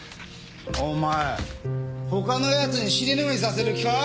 お前他のやつに尻拭いさせる気か？